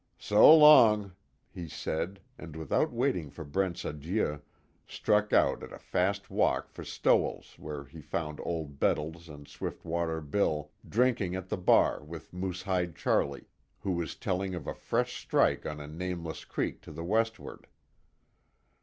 "So long," he said, and without waiting for Brent's adieu, struck out at a fast walk for Stoell's where he found old Bettles and Swiftwater Bill drinking at the bar with Moosehide Charlie, who was telling of a fresh strike on a nameless creek to the westward.